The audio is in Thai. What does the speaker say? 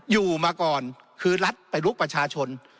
อยู่มาก่อนคือรัฐไปลุกประชาชน